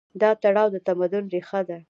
دا تړاو د تمدن ریښه ده.